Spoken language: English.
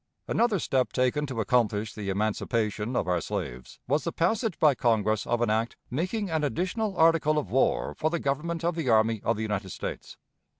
Another step taken to accomplish the emancipation of our slaves was the passage by Congress of an act making an additional article of war for the government of the army of the United States.